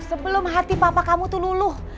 sebelum hati papa kamu tuh luluh